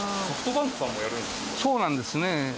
そうなんですね。